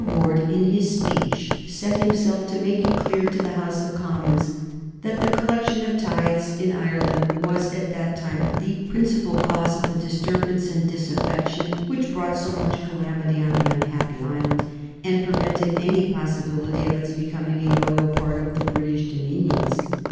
Ward, in his speech, set himself to make it clear to the House of Commons that the collection of tithes in Ireland was, at that time, the principal cause of the disturbance and disaffection which brought so much calamity on the unhappy island, and prevented any possibility of its becoming a loyal part of the British dominions.